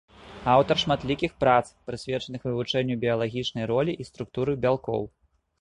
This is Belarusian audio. Аўтар шматлікіх прац, прысвечаных вывучэнню біялагічнай ролі і структуры бялкоў.